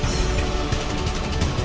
xin chào tạm biệt